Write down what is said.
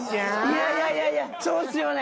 いやいやいやいやそうっすよね。